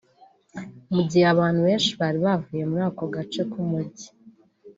mu gihe abantu benshi bari buzuye muri ako gace k’umujyi